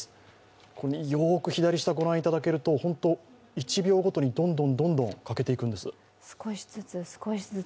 よく左下をご覧いただくと、１秒ごとにどんどんどんどん欠けていくんです。